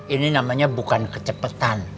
ini namanya bukan kecepetan